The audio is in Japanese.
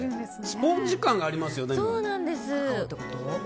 スポンジ感ありますよ。